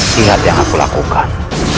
lihat yang aku lakukan